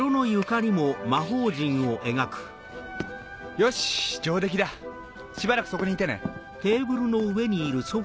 よし上出来だしばらくそこにいてね。